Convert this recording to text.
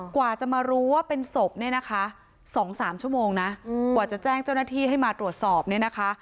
กว่าจะมารู้ว่าเป็นศพเนี่ยนะคะ๒๓ชั่วโมงนะกว่าจะแจ้งเจ้าหน้าที่ให้มาตรวจสอบเนี่ยนะคะ